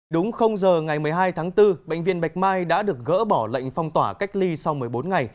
đúng giờ ngày một mươi hai tháng bốn bệnh viện bạch mai đã được gỡ bỏ lệnh phong tỏa cách ly sau một mươi bốn ngày